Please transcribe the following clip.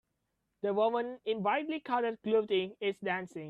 The woman in brightly colored clothing is dancing.